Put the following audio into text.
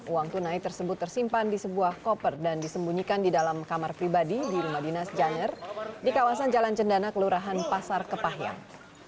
uang tunai tersebut tersimpan di sebuah koper dan disembunyikan di dalam kamar pribadi di rumah dinas janer di kawasan jalan cendana kelurahan pasar kepahyang